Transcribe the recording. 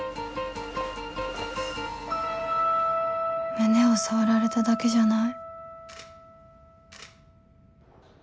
胸を触られただけじゃない